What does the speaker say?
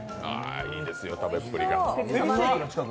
いいですよ、食べっぷりが。